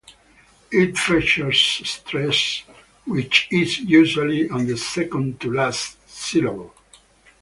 It features stress which is usually on the second-to-last syllable.